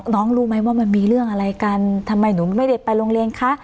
รู้ไหมว่ามันมีเรื่องอะไรกันทำไมหนูไม่ได้ไปโรงเรียนคะ